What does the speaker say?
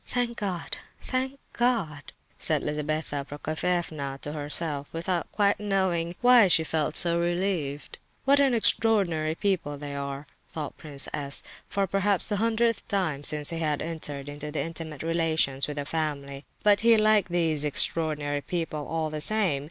"Thank God—thank God!" said Lizabetha Prokofievna to herself, without quite knowing why she felt so relieved. "What extraordinary people they are!" thought Prince S., for perhaps the hundredth time since he had entered into intimate relations with the family; but—he liked these "extraordinary people," all the same.